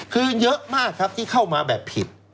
คือเยอะมากครับที่เข้ามาแบบผิด